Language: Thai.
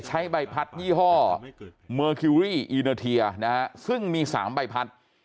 ใช้ใบพัดยี่ห้อเมอร์คิวรี่อีโนเทียนะฮะซึ่งมี๓ใบพัด